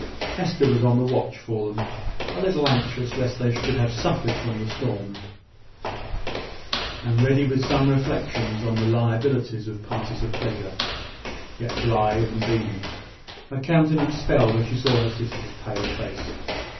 Hester was on the watch for them a little anxious lest they should have suffered from the storm, and ready with some reflections on the liabilities of parties of pleasure; but yet blithe and beaming. Her countenance fell when she saw her sister's pale face.